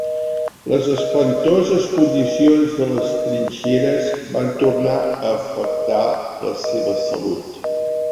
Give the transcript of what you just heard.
Les espantoses condicions en les trinxeres van tornar a afectar la seva salut.